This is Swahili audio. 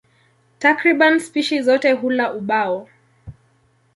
Takriban spishi zote hula ubao.